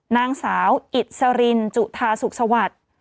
นางสาวอิสรินจุธาสุขสวัสดิ์